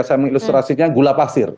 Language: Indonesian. saya mengilustrasinya gula pasir